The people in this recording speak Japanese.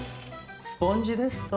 スポンジですと。